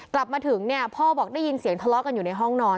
กลับมาถึงเนี่ยพ่อบอกได้ยินเสียงทะเลาะกันอยู่ในห้องนอน